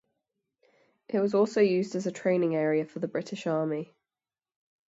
It was also used as a training area for the British Army.